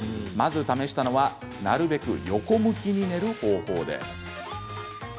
まず試したのはなるべく横向きに寝る方法です。